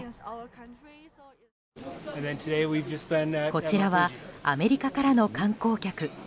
こちらはアメリカからの観光客。